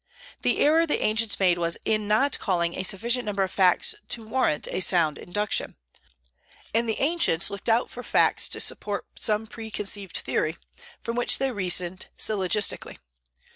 The error the ancients made was in not collecting a sufficient number of facts to warrant a sound induction. And the ancients looked out for facts to support some preconceived theory, from which they reasoned syllogistically.